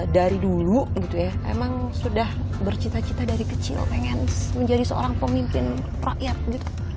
dari dulu gitu ya emang sudah bercita cita dari kecil pengen menjadi seorang pemimpin rakyat gitu